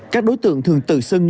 các đối tượng thường tự xưng